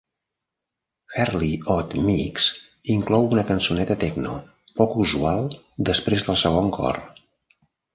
"Fairly Odd Mix" inclou una cançoneta techno poc usual després del segon cor.